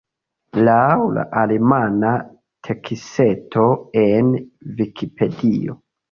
Laŭ la alemana teksto en Vikipedio.